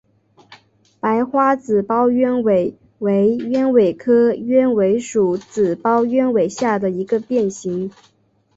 白花紫苞鸢尾为鸢尾科鸢尾属紫苞鸢尾下的一个变型。